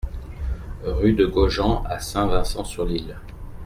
Rue de Gogeant à Saint-Vincent-sur-l'Isle